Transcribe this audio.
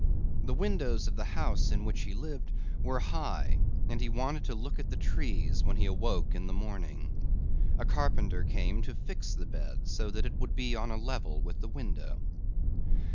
The windows of the house in which he lived were high and he wanted to look at the trees when he awoke in the morning. A carpenter came to fix the bed so that it would be on a level with the window.